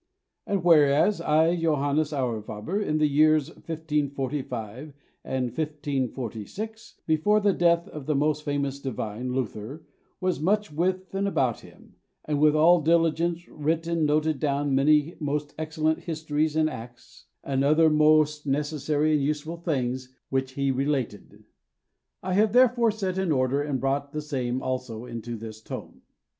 And whereas I, Joannes Aurifaber, in the years 1545 and 1546, before the death of that most famous Divine, Luther, was much with and about him, and with all diligence writ and noted down many most excellent Histories and Acts, and other most necessary and useful things which he related: I have therefore set in order and brought the same also into this tome.